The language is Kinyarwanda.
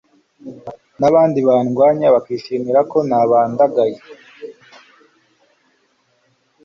n'abandi bandwanya bakishimira ko nabandagaye